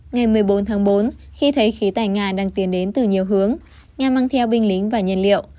ngày một mươi bốn tháng bốn khi thấy khí tài nga đang tiến đến từ nhiều hướng nhà mang theo binh lính và nhiên liệu